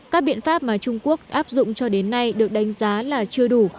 các biện pháp mà trung quốc áp dụng cho đến nay được đánh giá là chưa đủ